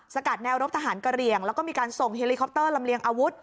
กัดแนวรบทหารกระเหลี่ยงแล้วก็มีการส่งเฮลิคอปเตอร์ลำเลียงอาวุธ